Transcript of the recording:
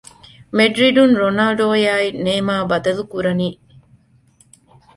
މެޑްރިޑުން ރޮނާލްޑޯ އާއި ނޭމާ ބަދަލުކުރަނީ؟